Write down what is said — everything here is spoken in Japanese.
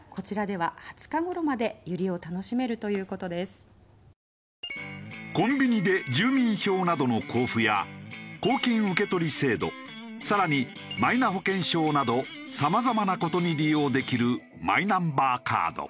２６品種コンビニで住民票などの交付や公金受取制度さらにマイナ保険証など様々な事に利用できるマイナンバーカード。